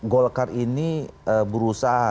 golkar ini berusaha